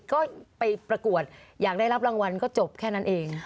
ก็ไปประกวดอยากได้รับรางวัลก็จบแค่นั้นเอง